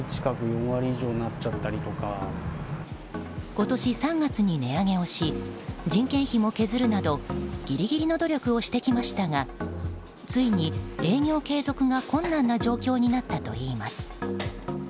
今年３月に値上げをし人件費も削るなどギリギリの努力をしてきましたがついに営業継続が困難な状況になったといいます。